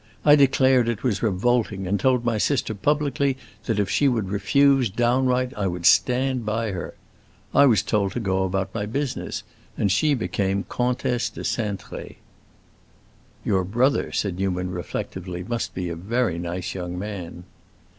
I declared it was revolting and told my sister publicly that if she would refuse, downright, I would stand by her. I was told to go about my business, and she became Comtesse de Cintré." "Your brother," said Newman, reflectively, "must be a very nice young man."